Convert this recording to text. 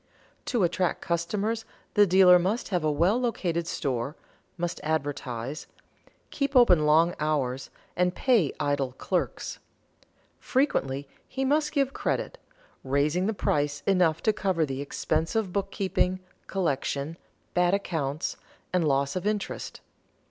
To attract customers the dealer must have a well located store, must advertise, keep open long hours, and pay idle clerks. Frequently he must give credit, raising the price enough to cover the expense of bookkeeping, collection, bad accounts, and loss of interest.